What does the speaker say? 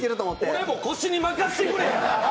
俺も腰に巻かせてくれ！